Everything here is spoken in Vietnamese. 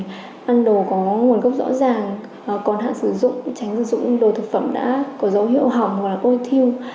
mình ăn đồ có nguồn gốc rõ ràng còn hạn sử dụng tránh sử dụng đồ thực phẩm đã có dấu hiệu hỏng hoặc là côi thiêu